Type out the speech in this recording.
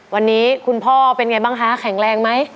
วันนี้คุณพ่อเป็นไงบ้างคะแข็งแรงไหม